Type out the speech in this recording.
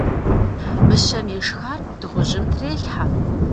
Мыщэм ишхар дыгъужьым трелхьэ.